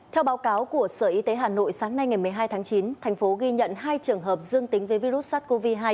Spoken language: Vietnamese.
theo báo cáo của sở y tế hà nội sáng nay ngày một mươi hai tháng chín thành phố ghi nhận hai trường hợp dương tính với virus sars cov hai